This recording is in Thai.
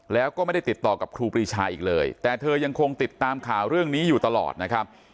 แล้วก็ไม่ได้ติดต่อกับครูปรีชาอีกเลยแต่เธอยังคงติดตามข่าวเรื่องนี้อยู่ตลอดนะครับ